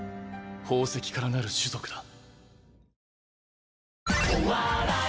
宝石からなる種族だ。